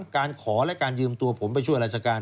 การขอและการยืมตัวผมไปช่วยราชการ